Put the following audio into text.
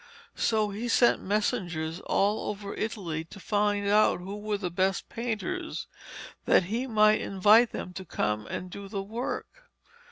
So he sent messengers all over Italy to find out who were the best painters, that he might invite them to come and do the work.